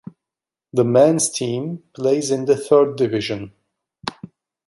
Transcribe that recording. The men's team plays in the Third Division.